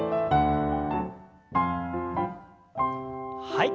はい。